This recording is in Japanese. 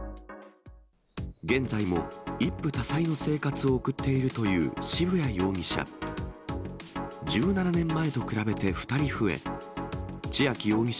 現在も一夫多妻の生活を送っているという渋谷容疑者。